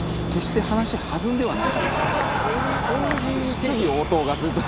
質疑応答がずっと。